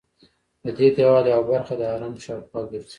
ددې دیوال یوه برخه د حرم شاوخوا ګرځي.